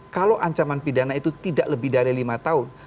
kalau ancaman pidana itu tidak lebih dari lima tahun